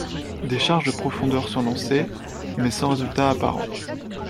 Des charges de profondeur sont lancées mais sans résultat apparent.